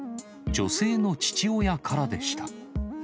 女性の父親からでした。